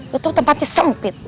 lho tau tempatnya sempit